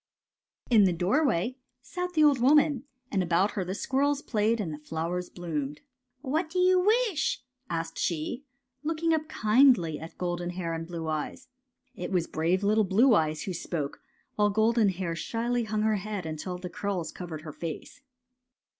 In the doorway sat the old woman, and about her the squirrels played and the flowers bloomed. '' What do you wish'? '' asked she, look ing up kindly at Golden Hair and Blue Eyes. It was brave little Blue Eyes who spoke, while Golden Hair shyly hung her head until the curls covered her face.